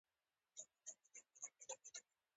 یو سل او څلور څلویښتمه پوښتنه د نورماتیف په اړه ده.